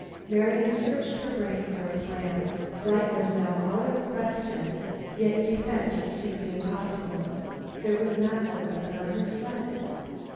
Marian searched her brain for a plan. Flight was now out of the question, yet defense seemed impossible; there was not a weapon on her sled.